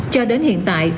cho đến hiện tại